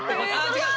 違う！